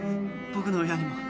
僕の親にも。